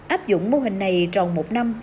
áp dụng mô hình này tròn một năm